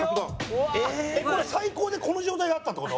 えっこれ最高でこの状態があったって事？